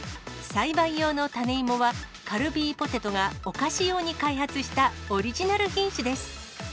栽培用の種芋は、カルビーポテトがお菓子用に開発したオリジナル品種です。